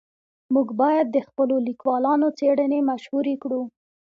موږ باید د خپلو لیکوالانو څېړنې مشهورې کړو.